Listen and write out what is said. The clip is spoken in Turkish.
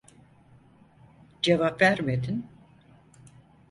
Cevap vermedin.